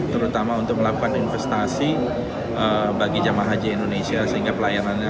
terutama untuk melakukan investasi bagi jamaah haji indonesia sehingga pelayanannya